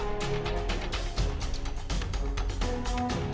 oke kita jumpa lagi jayani teachers